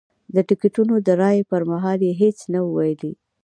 د ټکټونو د راکړې پر مهال یې هېڅ نه وو ویلي.